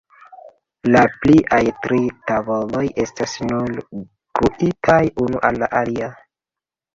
La pliaj tri tavoloj estas nur gluitaj unu al la alia.